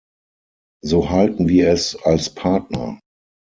So halten wir es als Partner.